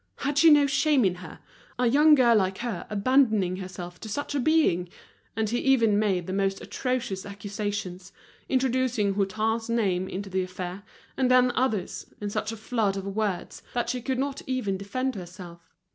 Had she no shame in her? a young girl like her abandoning herself to such a being! and he even made most atrocious accusations, introducing Hutin's name into the affair, and then others, in such a flood of words, that she could not even defend herself.